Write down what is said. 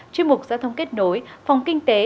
chuyên mục giao thông kết nối phòng kinh tế